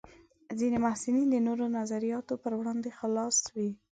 ځینې محصلین د نوو نظریاتو پر وړاندې خلاص وي.